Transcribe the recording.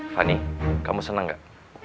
fani kamu senang gak